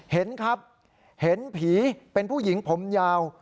เห็นครับเห็นผีเป็นผู้หญิงผมยาว